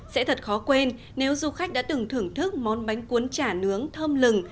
sẽ thật khó quên nếu du khách đã từng thưởng thức món bánh cuốn chả nướng thơm lừng